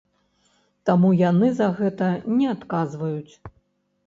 Таму яны за гэта не адказваюць.